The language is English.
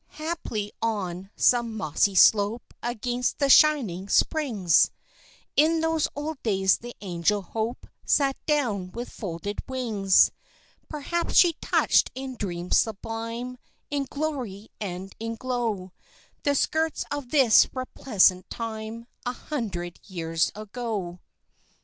haply on some mossy slope, Against the shining springs, In those old days the angel Hope Sat down with folded wings; Perhaps she touched in dreams sublime, In glory and in glow, The skirts of this resplendent time, A hundred years ago.